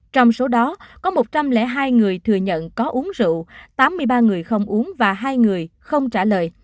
trong số đó có một trăm linh hai người thừa nhận có uống rượu tám mươi ba người không uống và hai người không trả lời